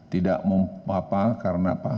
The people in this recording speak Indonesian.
tidak memapa karena apa